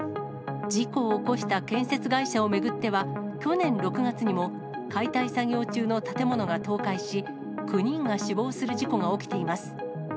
事故を起こした建設会社を巡っては、去年６月にも、解体作業中の建物が倒壊し、９人が死亡する事故が起きています。